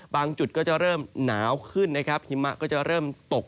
จุดก็จะเริ่มหนาวขึ้นนะครับหิมะก็จะเริ่มตก